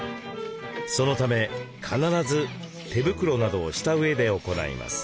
そのため必ず手袋などをしたうえで行います。